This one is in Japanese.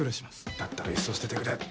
だったらいっそ捨ててくれ。